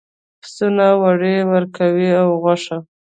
پسونه وړۍ ورکوي او غوښه.